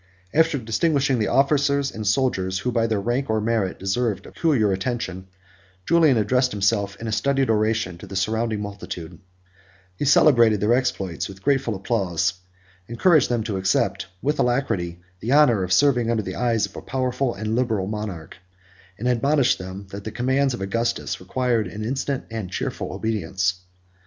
After distinguishing the officers and soldiers, who by their rank or merit deserved a peculiar attention, Julian addressed himself in a studied oration to the surrounding multitude: he celebrated their exploits with grateful applause; encouraged them to accept, with alacrity, the honor of serving under the eye of a powerful and liberal monarch; and admonished them, that the commands of Augustus required an instant and cheerful obedience.